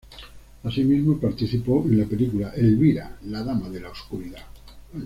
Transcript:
Asimismo participó en la película "Elvira, la dama de la Oscuridad".